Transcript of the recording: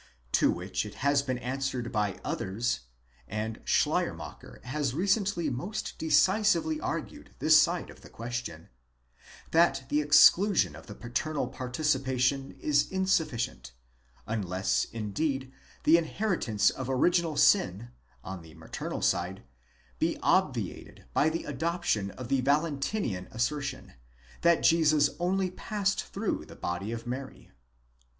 ΤῸ which it has been answered by others,® (and Schleiermacher has recently most decisively argued this side of the question,') that the exclusion of the paternal participation is insufficient, unless, indeed, the inheritance of original sin, on the maternal side, be obviated by the adoption of the Valentinian assertion, that Jesus only passed through the body of Mary.